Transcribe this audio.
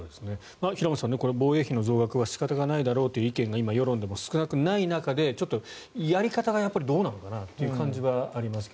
平元さん、防衛費の増額は仕方がないだろうという意見が今、世論でも少なくない中でやり方がどうなのかなという感じがありますが。